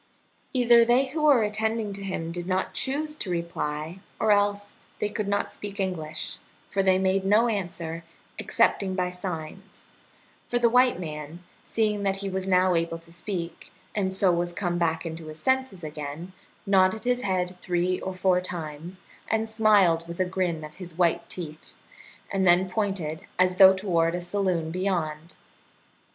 Either they who were attending to him did not choose to reply, or else they could not speak English, for they made no answer, excepting by signs; for the white man, seeing that he was now able to speak, and so was come back into his senses again, nodded his head three or four times, and smiled with a grin of his white teeth, and then pointed, as though toward a saloon beyond.